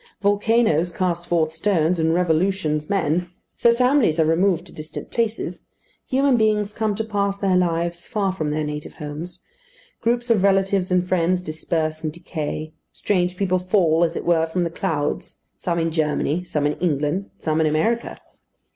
Volcanoes cast forth stones, and revolutions men, so families are removed to distant places; human beings come to pass their lives far from their native homes; groups of relatives and friends disperse and decay; strange people fall, as it were, from the clouds some in Germany, some in England, some in America.